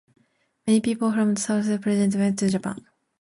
Many people from the southern provinces went to Japan.